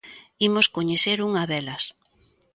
Imos coñecer unha delas.